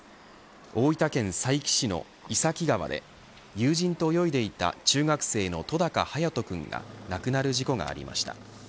大分県佐伯市の井崎川で友人と泳いでいた中学生の戸高颯斗君が亡くなる事故がありました。